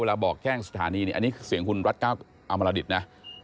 บอกแจ้งสถานีเนี่ยอันนี้คือเสียงคุณรัฐก้าวอมรดิตนะ